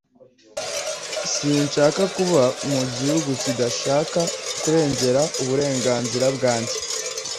Sinshaka kuba mu gihugu kidashaka kurengera uburenganzira bwanjye.